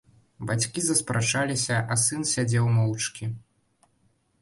Бацькі заспрачаліся, а сын сядзеў моўчкі.